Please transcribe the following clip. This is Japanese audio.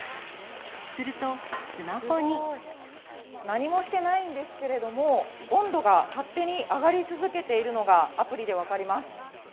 何もしてないんですけれども、温度が勝手に上がり続けているのが、アプリで分かります。